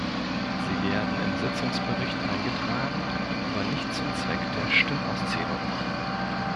Sie werden im Sitzungsbericht eingetragen, aber nicht zum Zweck der Stimmauszählung.